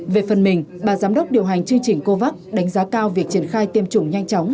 về phần mình bà giám đốc điều hành chương trình covax đánh giá cao việc triển khai tiêm chủng nhanh chóng